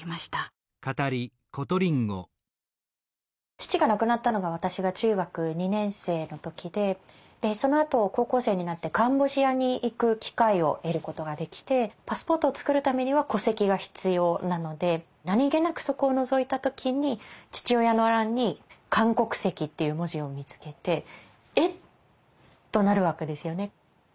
父が亡くなったのが私が中学２年生の時でそのあと高校生になってカンボジアに行く機会を得ることができてパスポートを作るためには戸籍が必要なので何気なくそこをのぞいた時に父親の欄に韓国籍っていう文字を見つけて「えっ？」となるわけですよね。